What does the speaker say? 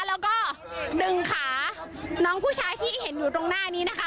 แล้วก็ดึงขาน้องผู้ชายที่เห็นอยู่ตรงหน้านี้นะคะ